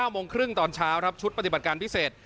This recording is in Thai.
โมงครึ่งตอนเช้าครับชุดปฏิบัติการพิเศษ